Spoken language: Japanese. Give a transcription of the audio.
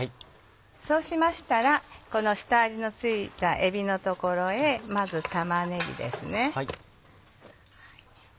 そうしましたらこの下味の付いたえびの所へまず玉ねぎですね。